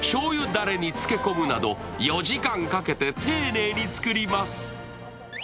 だれにつけ込むなど４時間かけて丁寧に作ります。